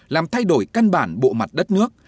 làm thay đổi căn bản bộ mặt đất nước